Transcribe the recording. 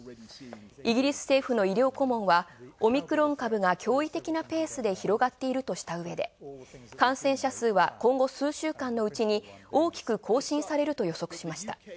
イギリス政府の医療顧問は、オミクロン株が驚異的なペースで広がっているとしたうえで、感染者数は今後数週間のうちに大きく更新されると予測しました。